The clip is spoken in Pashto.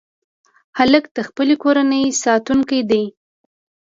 هلک د خپلې کورنۍ ساتونکی دی.